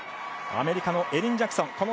アメリカのエリン・ジャクソン。